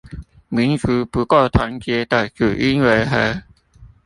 民族不夠團結的主因為何？